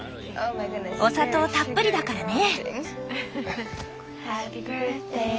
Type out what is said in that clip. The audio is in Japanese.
お砂糖たっぷりだからね！